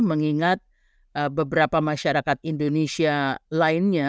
mengingat beberapa masyarakat indonesia lainnya